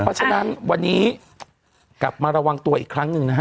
เพราะฉะนั้นวันนี้กลับมาระวังตัวอีกครั้งหนึ่งนะฮะ